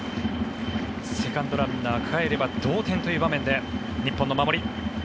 セカンドランナーかえれば同点という場面で日本の守り。